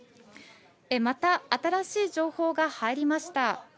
また、新しい情報が入りました。